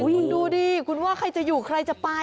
โอ้โฮวิงดูดิกูว่าใครจะอยู่ใครจะไป